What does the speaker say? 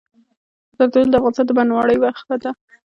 زردالو د افغانستان د بڼوالۍ برخه ده.